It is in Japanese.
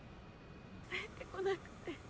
帰ってこなくて。